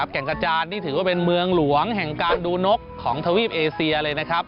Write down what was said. แก่งกระจานนี่ถือว่าเป็นเมืองหลวงแห่งการดูนกของทวีปเอเซียเลยนะครับ